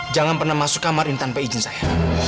jangan pernah masuk kamar ini tanpa izin saya